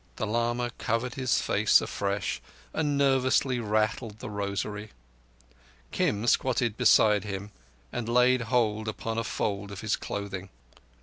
The lama covered his face afresh, and nervously rattled the rosary. Kim squatted beside him and laid hold upon a fold of his clothing.